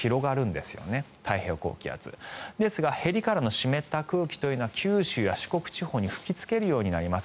ですがへりからの湿った空気というのは九州や四国地方に吹きつけるようになります。